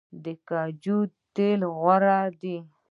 د کنجدو تیل غوره دي.